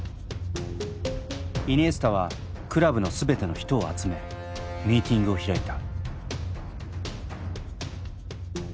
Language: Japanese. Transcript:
イニエスタはクラブの全ての人を集めミーティングを開いた。